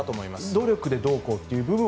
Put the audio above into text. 努力でどうこうという部分も。